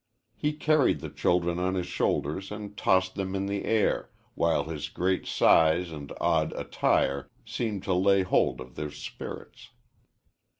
He carried the children on his shoulders and tossed them in the air, while his great size and odd attire seemed to lay hold of their spirits.